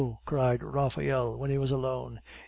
cried Raphael, when he was alone.